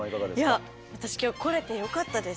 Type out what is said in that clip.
いや私今日来れてよかったです。